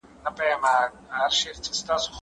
هغه د کارګرانو د حقونو مدافع و.